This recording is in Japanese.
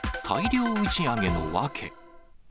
大量打ち上げの訳。